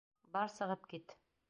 Бар сығып кит!